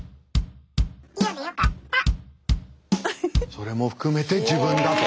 それも含めて自分だと。